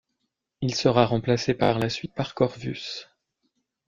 Il sera remplacé par la suite par Corvus.